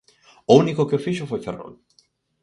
O único que o fixo foi Ferrol.